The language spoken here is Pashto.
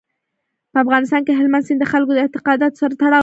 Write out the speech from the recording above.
په افغانستان کې هلمند سیند د خلکو د اعتقاداتو سره تړاو لري.